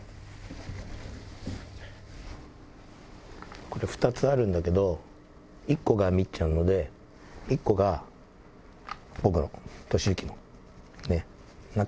これ２つあるんだけど、１個がみっちゃんので、１個が僕の、利之の。